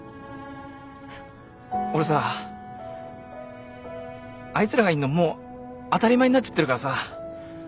俺さあいつらがいんのもう当たり前になっちゃってるからさ。